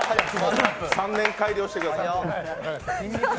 ３年改良してください。